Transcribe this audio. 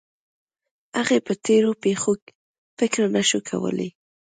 هغې به په تېرو پېښو فکر نه شو کولی